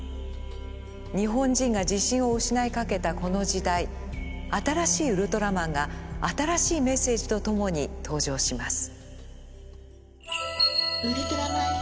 日本人が自信を失いかけたこの時代新しいウルトラマンが新しいメッセージとともに登場します。